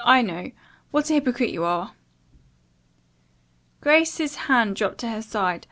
I know What a hypocrite you are." Grace's hand dropped to her side.